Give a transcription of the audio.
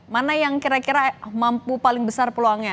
mana yang kira kira mampu paling besar peluangnya